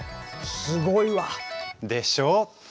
すごいわ。でしょ？って。